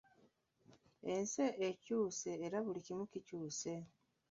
Ensi ekyuse era buli kimu kikyuse.